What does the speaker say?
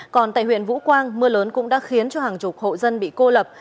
còn tại huyện vũ quang mưa lớn cũng đã khiến cho hàng chục hộ dân bị cô lập